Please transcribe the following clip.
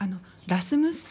ラスムス？